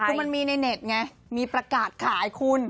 คือมันมีในเน็ตไงมีประกาศขายคุณ